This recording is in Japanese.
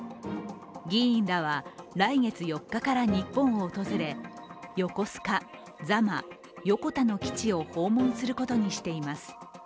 議員らは来月４日から日本を訪れ横須賀、座間、横田の基地を訪問することにしています。